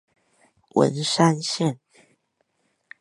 文山線